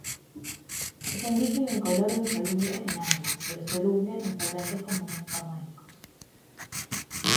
Es un líquido incoloro insoluble en agua pero soluble en solventes comunes orgánicos.